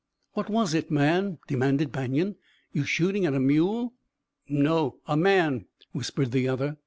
"What was it, man?" demanded Banion. "You shooting at a mule?" "No, a man," whispered the other.